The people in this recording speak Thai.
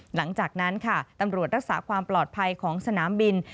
หลังจากนั้นค่ะตำรวจรักษาความปลอดภัยของสนามบิน